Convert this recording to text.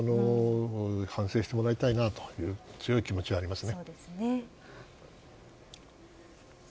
反省してもらいたいなと強い気持ちがありますね。